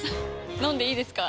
飲んでいいですか？